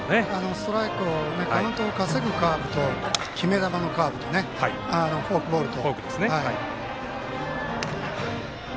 ストライクカウントを稼ぐカーブと決め球のカーブとフォークボールと。